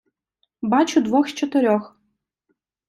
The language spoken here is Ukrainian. Бачу двох з чотирьох.